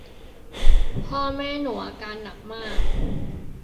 พ่อแม่หนูอาการหนักมาก